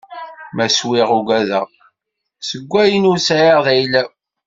Ma swiɣ ugadeɣ, seg ayen ur sɛiɣ d ayla-w.